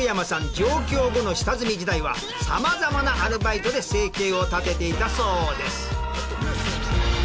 上京後の下積み時代は様々なアルバイトで生計を立てていたそうです。